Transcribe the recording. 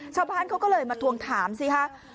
ชาวบ้านเขาก็เลยมาทวงถามสิคะ